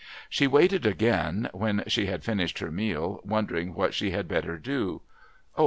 She waited again, when she had finished her meal, wondering what she had better do. Oh!